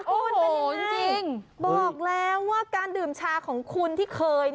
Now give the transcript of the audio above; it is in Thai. โอ้โหจริงบอกแล้วว่าการดื่มชาของคุณที่เคย